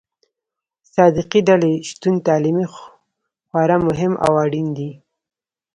صادقې ډلې شتون تعلیمي خورا مهم او اړين دي.